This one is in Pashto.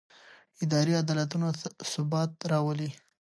اداري عدالت ثبات راولي